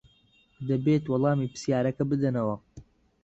دەبێت وەڵامی پرسیارەکە بدەنەوە.